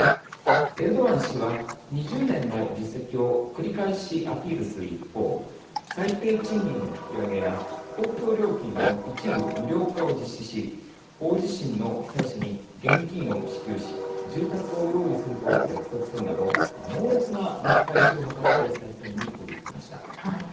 エルドアン氏は、２０年の実績を繰り返しアピールする一方最低賃金の引き上げや公共料金の一部無料化を実施し大地震の被災者に現金を支給し住宅を用意すると約束するなど猛烈な巻き返しを図って再選に、こぎ着けました。